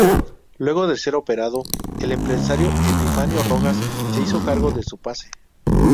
Luego de ser operado, el empresario Epifanio Rojas se hizo cargo de su pase.